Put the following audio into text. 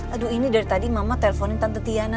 aduh ini dari tadi mama teleponin tante tiana